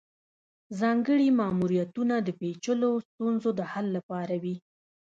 ځانګړي ماموریتونه د پیچلو ستونزو د حل لپاره وي